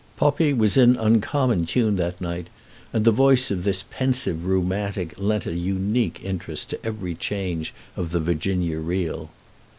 Poppi was in uncommon tune that night, and the voice of this pensive rheumatic lent a unique interest to every change of the Virginia reel.